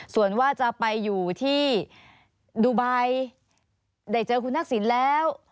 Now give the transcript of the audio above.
ส่วนว่าจะไปอยู่ที่ดูไบได้เจอคุณทักษิณแล้ว